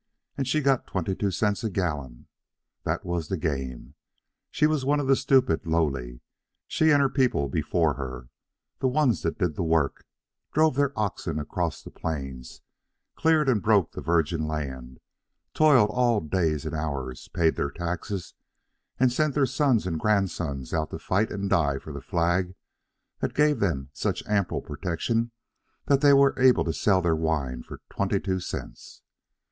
And she got twenty two cents a gallon. That was the game. She was one of the stupid lowly, she and her people before her the ones that did the work, drove their oxen across the Plains, cleared and broke the virgin land, toiled all days and all hours, paid their taxes, and sent their sons and grandsons out to fight and die for the flag that gave them such ample protection that they were able to sell their wine for twenty two cents.